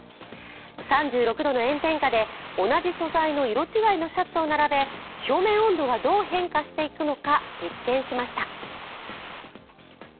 ３６度の炎天下で同じ素材・色違いのシャツを並べ表面温度がどう変化していくのか実験しました。